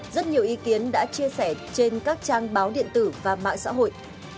rất nhiều ý kiến đã chia sẻ trên các trang báo điện tử và mạng xã hội